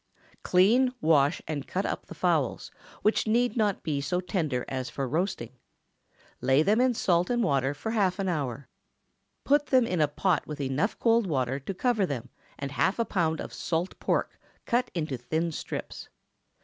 _)✠ Clean, wash, and cut up the fowls, which need not be so tender as for roasting. Lay them in salt and water for half an hour. Put them in a pot with enough cold water to cover them, and half a pound of salt pork cut into thin strips.